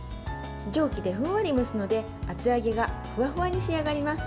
蒸気でふんわり蒸すので厚揚げがふわふわに仕上がります。